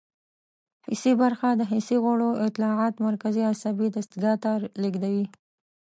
حسي برخه د حسي غړو اطلاعات مرکزي عصبي دستګاه ته لیږدوي.